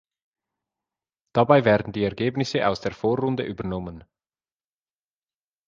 Dabei werden die Ergebnisse aus der Vorrunde übernommen.